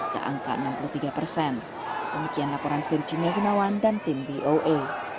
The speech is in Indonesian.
saya tidak yakin pemimpin dunia akan menyerahkan diri sendiri